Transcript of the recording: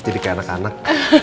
jadi kayak anak anak